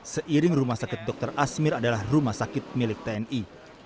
seiring rumah sakit dr asmir adalah rumah sakit milik tni